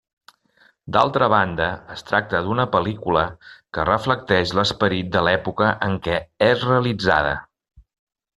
D'altra banda, es tracta d'una pel·lícula que reflecteix l'esperit de l'època en què és realitzada.